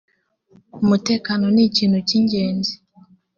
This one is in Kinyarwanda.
umutekano nikintu kingenzi.